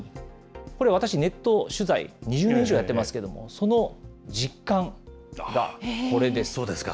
これ、私ネット取材２０年以上やってますけれども、その実感がこれです。